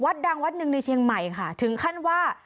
ดังวัดหนึ่งในเชียงใหม่ค่ะถึงขั้นว่า